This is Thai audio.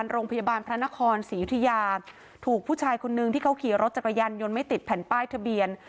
โรงพยาบาลพระนครศรียุธิยาถูกผู้ชายคนนึงที่เขาขี่รถจักรยานยนต์ไม่ติดแผ่นป้ายทะเบียน